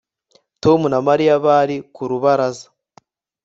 Tom na Mariya bari ku rubaraza